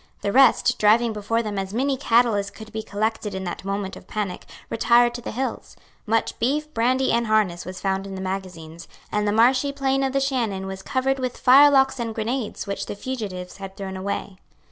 The rest, driving before them as many cattle as could be collected in that moment of panic, retired to the hills. Much beef, brandy and harness was found in the magazines; and the marshy plain of the Shannon was covered with firelocks and grenades which the fugitives had thrown away.